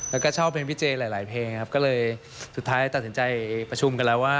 แล้วก็ชอบเพลงพี่เจหลายหลายเพลงครับก็เลยสุดท้ายตัดสินใจประชุมกันแล้วว่า